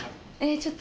ちょっと。